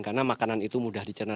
karena makanan itu mudah dicernah